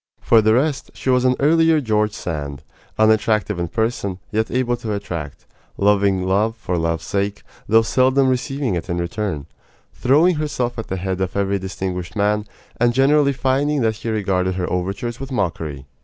For the rest, she was an earlier George Sand unattractive in person, yet able to attract; loving love for love's sake, though seldom receiving it in return; throwing herself at the head of every distinguished man, and generally finding that he regarded her overtures with mockery.